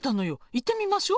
行ってみましょ！